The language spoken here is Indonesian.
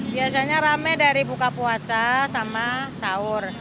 biasanya rame dari buka puasa sama sahur